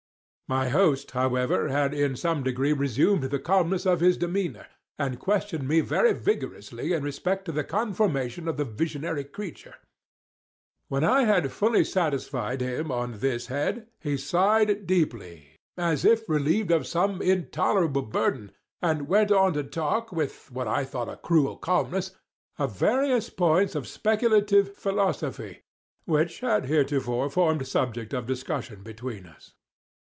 My host, however, had in some degree resumed the calmness of his demeanor, and questioned me very rigorously in respect to the conformation of the visionary creature. When I had fully satisfied him on this head, he sighed deeply, as if relieved of some intolerable burden, and went on to talk, with what I thought a cruel calmness, of various points of speculative philosophy, which had heretofore formed subject of discussion between us.